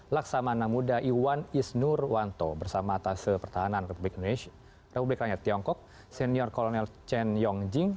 laksamana muda iwan isnurwanto bersama atas pertahanan republik tiongkok senior kolonel chen yongjing